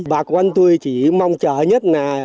bà con tôi chỉ mong chờ nhất là